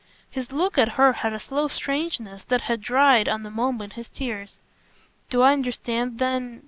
His look at her had a slow strangeness that had dried, on the moment, his tears. "Do I understand then